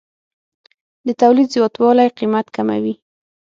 د تولید زیاتوالی قیمت کموي.